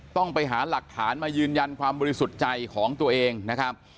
ต้องไปหาหลักฐานมายืนยันความบริสุทธิ์ใจของตัวเองนะครับ